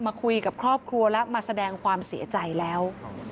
มาคุยกับครอบครัวแล้วมาแสดงความเสียใจแล้ว